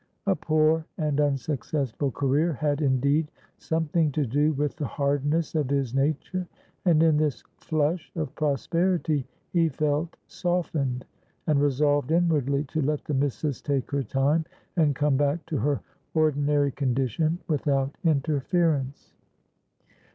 A poor and unsuccessful career had, indeed, something to do with the hardness of his nature, and in this flush of prosperity he felt softened, and resolved inwardly to "let the missus take her time," and come back to her ordinary condition without interference.